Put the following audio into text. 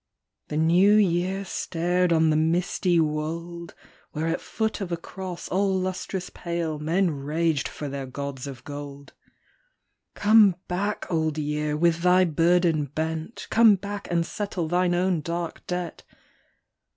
" The New Year stared on the misty wold, Where at foot of a cross all lustrous pale Men raged for their gods of gold. " Come back, Old Year, with thy burden bent. Come back and settle thine own dark debt."